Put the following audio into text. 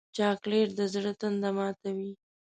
چاکلېټ د زړه تنده ماتوي.